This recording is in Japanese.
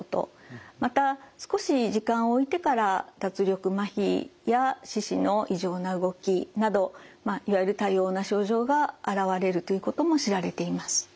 また少し時間をおいてから脱力まひや四肢の異常な動きなどいわゆる多様な症状があらわれるということも知られています。